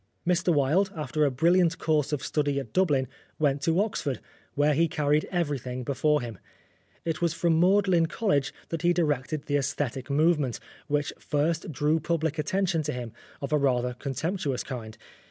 Mr Wilde, after a brilliant course of study at Dublin, went to Oxford, where he carried everything before him. It was from Magdalen College that he directed the aesthetic movement, which first drew public attention to him, of a rather contemptuous kind.